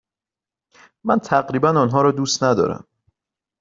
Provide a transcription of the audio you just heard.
من تقریبا آنها را دوست ندارم.